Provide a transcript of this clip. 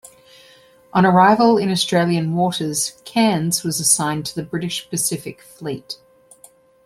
On arrivial in Australian waters, "Cairns" was assigned to the British Pacific Fleet.